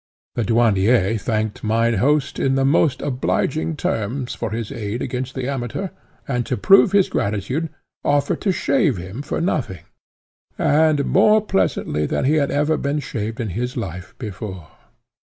The Douanier thanked mine host in the most obliging terms for his aid against the Amateur, and, to prove his gratitude, offered to shave him for nothing, and more pleasantly than ever he had been shaved in his life before.